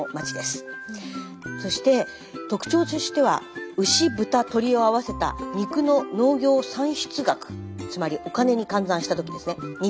そして特徴としては牛豚鶏を合わせた肉の農業産出額つまりお金に換算した時ですね日本一です。